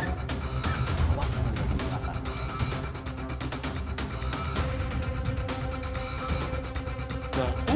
tidak waktu ini dibilangnya nathan